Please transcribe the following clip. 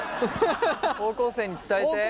高校生に伝えて。